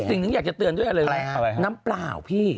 สิ่งหนึ่งอยากจะเตือนด้วยอะไรน้ำเปล่าพี่